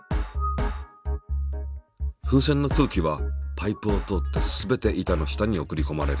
風船の空気はパイプを通ってすべて板の下に送りこまれる。